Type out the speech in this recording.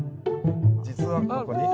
実はここに。